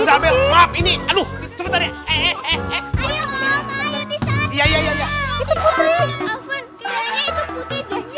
avan kayaknya itu putri deh